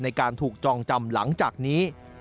ในการถูกจองจำหลังจากนี้